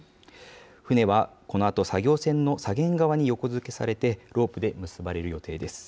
船はこのあと、作業船の左舷側に横付けされて、ロープで結ばれる予定です。